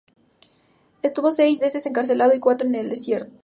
Estuvo seis veces encarcelado y cuatro en el destierro.